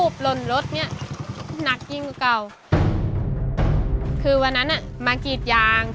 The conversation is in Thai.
กรีดตั้งแต่ทำงาน